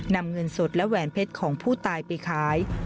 นำเงินสดและแหวนเพชรของผู้ตายไปขาย